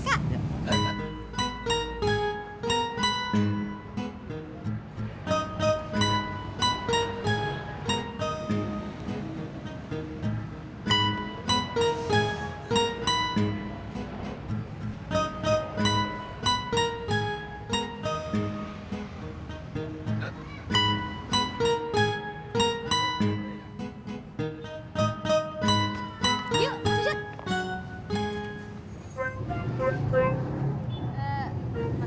yuk mas ojak